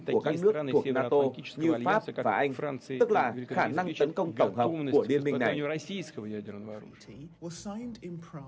của các nước thuộc nato như pháp và anh fran tức là khả năng tấn công tổng hợp của liên minh này